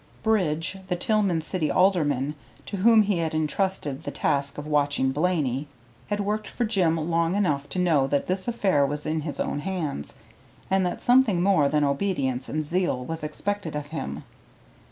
Bridge, the Tillman City alderman to whom he had intrusted the task of watching Blaney, had worked for Jim long enough to know that this affair was in his own hands, and that something more than obedience and zeal was expected of him.